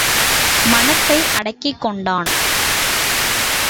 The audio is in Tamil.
மனத்தை அடக்கிக் கொண்டான்.